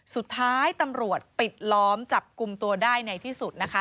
สุดท้ายตำรวจปิดล้อมจับกลุ่มตัวได้ในที่สุดนะคะ